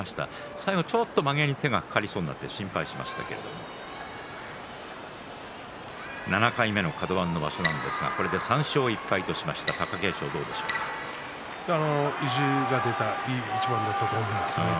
最後、ちょっとまげに手がかかりそうになって心配しましたけれども７回目のカド番の場所なんですがこれで３勝１敗としました意地が出た一番だったと思います。